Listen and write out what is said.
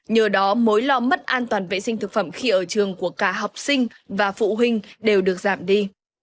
nhờ đó mối lo mất an toàn vệ sinh thực phẩm khi ở trường của cả học sinh và phụ huynh đều được giảm đi